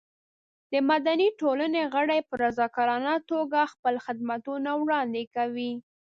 د مدني ټولنې غړي په رضاکارانه توګه خپل خدمتونه وړاندې کوي.